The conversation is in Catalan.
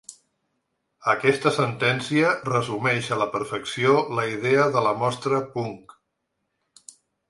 Aquesta sentència resumeix a la perfecció la idea de la mostra Punk.